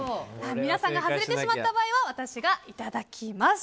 皆さんが外れてしまった場合は私がいただきます。